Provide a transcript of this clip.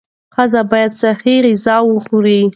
ښځې باید صحي غذا وخوري.